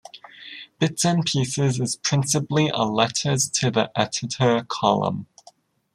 Bits and Pieces is principally a letters-to-the-editor column.